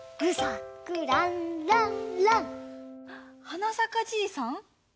はな咲かじいさん？